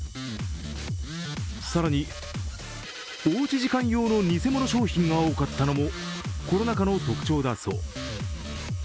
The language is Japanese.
更に、おうち時間用の偽物商品が多かったのもコロナ禍の特徴だそう。